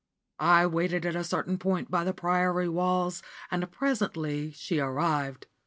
I waited at a certain point by the Priory walls, and presently she arrived.